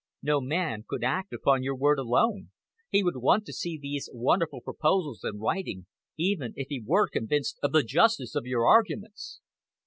No man could act upon your word alone. He would want to see these wonderful proposals in writing, even if he were convinced of the justice of your arguments."